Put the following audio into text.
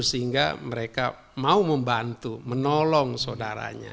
sehingga mereka mau membantu menolong saudaranya